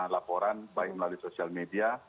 laporan baik melalui sosial media